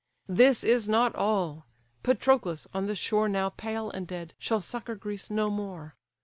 This is not all: Patroclus, on the shore Now pale and dead, shall succour Greece no more.